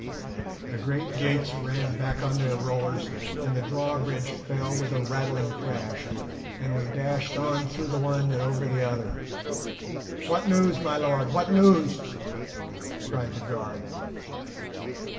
The great gates ran back on their rollers, and the drawbridge fell with a rattling crash, and we dashed on through the one and over the other. "What news, my lord, what news?" cried the guard.